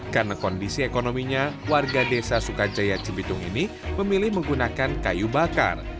karena kondisi ekonominya warga desa sukajaya cipitung ini memilih menggunakan kayu bakar